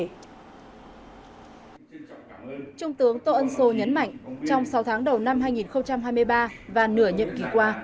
trung tướng tô ân sô nhấn mạnh trong sáu tháng đầu năm hai nghìn hai mươi ba và nửa nhiệm kỳ qua